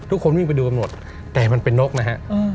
ทุกคนวิ่งไปดูกันหมดแต่มันเป็นนกนะฮะ